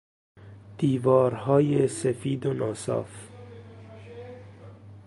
دیوارهای سفید و ناصاف